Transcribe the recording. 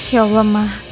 ya allah ma